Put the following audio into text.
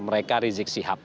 mereka rizieb syihak